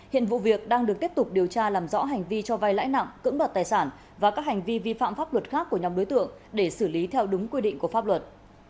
hiện vụ việc đang được tiếp tục điều tra làm rõ hành vi cho vai lãi nặng cưỡng đoạt tài sản và các hành vi vi phạm pháp luật khác của nhóm đối tượng để xử lý theo đúng quy định của pháp luật